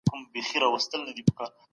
حق د باطل پر وړاندي لکه رڼا ده.